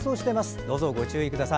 どうぞご注意ください。